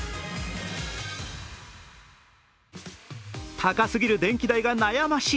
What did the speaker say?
高すぎる電気代が悩ましい。